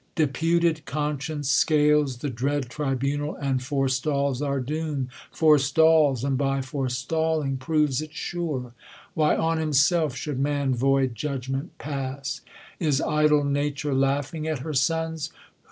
Deputed conscience scales The dread tribunal, and forestals our doom : Forestals ; and, by forestalling, proves it sure. Why on himself should man i»««Vi judgment pais ? T If 218 THE COLUMBIAN ORATOR. Is idle nature laughing at her sons ?